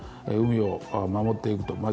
海を守っていくと。